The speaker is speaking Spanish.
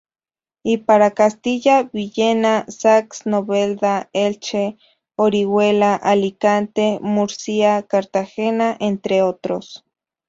Y para Castilla, Villena, Sax, Novelda, Elche, Orihuela, Alicante, Murcia, Cartagena, entre otros.